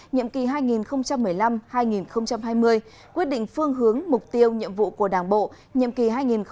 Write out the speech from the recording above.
nhiệm kỳ hai nghìn một mươi năm hai nghìn hai mươi quyết định phương hướng mục tiêu nhiệm vụ của đảng bộ nhiệm kỳ hai nghìn hai mươi hai nghìn hai mươi năm